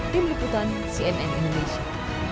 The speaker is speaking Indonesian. tim liputan cnn indonesia